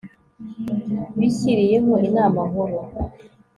bishyiriyeho inama nkuru